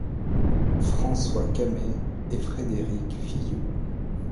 François Camé et Frédéric Filloux.